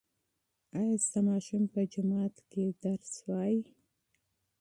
ایا ستا ماشوم په جومات کې سبق وایي؟